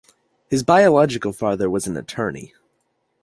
His biological father was an attorney.